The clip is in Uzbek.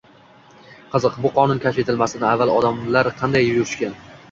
Qiziq, bu qonun kashf etilmasidan avval odamlar qanday yurishgan?